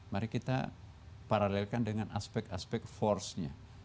mari kita paralelkan dengan aspek aspek force nya